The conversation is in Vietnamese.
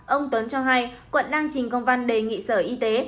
ông tuấn cho hay quận đang trình công văn đề nghị sở y tế